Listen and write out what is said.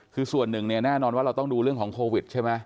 คือส่วนหนึ่งเนี่ยแน่นอนว่าเราต้องดูเรื่องของโควิดใช่ไหม